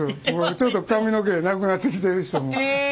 ちょっと髪の毛なくなってきてる人も。え！